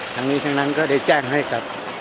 ทั้งนี้ทั้งนั้นก็ได้แจ้งให้กับ